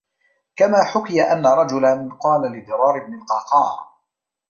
كَمَا حُكِيَ أَنَّ رَجُلًا قَالَ لِضِرَارِ بْنِ الْقَعْقَاعِ